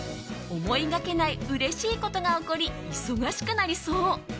思いがけないうれしいことが起こり忙しくなりそう。